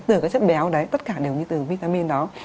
từ cái chất béo đấy tất cả đều như từ vitamin đó